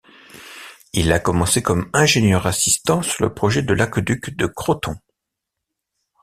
Il a commencé comme ingénieur assistant sur le projet de l'aqueduc de Croton.